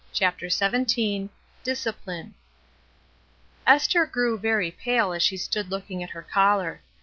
CHAPTER XVII DISCIPLINE Tj^STHER grew very pale as she stood looking ^^ at her caller.